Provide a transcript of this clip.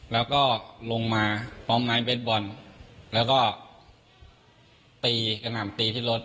แล้วก็ลงมาพร้อมไม้เบสบอลแล้วก็ตีกระหน่ำตีที่รถ